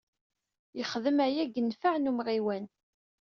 Yexdem aya deg nnfeɛ n umɣiwan.